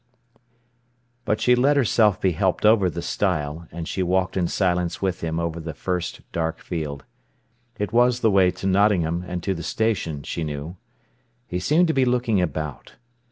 But she let herself be helped over the stile, and she walked in silence with him over the first dark field. It was the way to Nottingham and to the station, she knew. He seemed to be looking about.